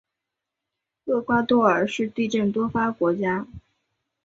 厄瓜多尔是地震多发国家。